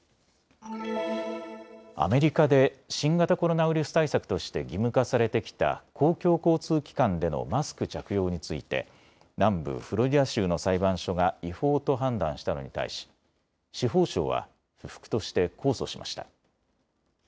アメリカで新型コロナウイルス対策として義務化されてきた公共交通機関でのマスク着用について南部フロリダ州の裁判所が違法と判断したのに対し司法省は不服として控訴しました。